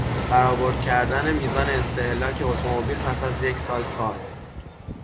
برآورد کردن میزان استهلاک اتومبیل پس از یک سال کار